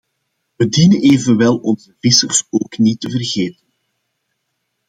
We dienen evenwel onze vissers ook niet te vergeten.